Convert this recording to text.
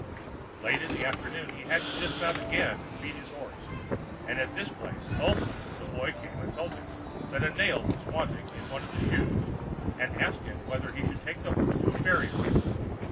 Late in the afternoon he had to dismount again, and feed his horse, and at this place also the boy came and told him that a nail was wanting in one of the shoes, and asked him whether he should take the horse to a farrier.